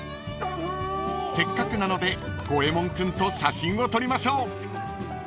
［せっかくなのでゴエモン君と写真を撮りましょう］